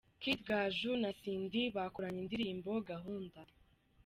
Kid Gaju na Cindy bakoranye indirimbo 'Gahunda'.